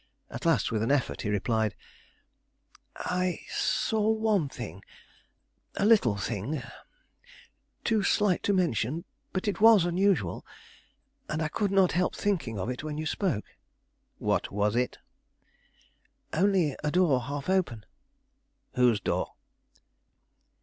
At last, with an effort, he replied: "I saw one thing, a little thing, too slight to mention, but it was unusual, and I could not help thinking of it when you spoke." "What was it?" "Only a door half open." "Whose door?"